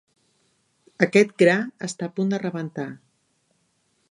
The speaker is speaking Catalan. Aquest gra està a punt de rebentar.